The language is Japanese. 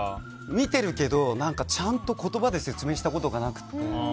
見てるけど、ちゃんと言葉で説明したことがなくて。